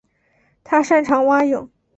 他擅长蛙泳。